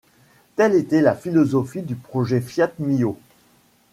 Telle était la philosophie du projet Fiat Mio.